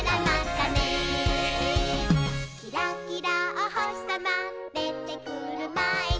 「キラキラおほしさまでてくるまえに」